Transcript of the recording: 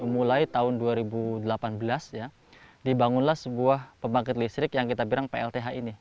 mulai tahun dua ribu delapan belas ya dibangunlah sebuah pembangkit listrik yang kita bilang plth ini